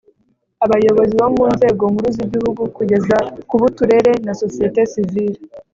Abayobozi bo mu nzego nkuru z’igihugu kugeza ku b’Uturere na Sosiyete Sivile